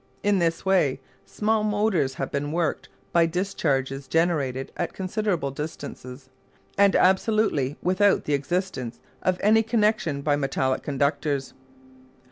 In this way small motors have been worked by discharges generated at considerable distances, and absolutely without the existence of any connection by metallic conductors.